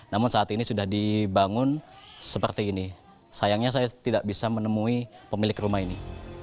namun saat ini sudah dibangun seperti ini sayangnya saya tidak bisa menemui pemilik rumah ini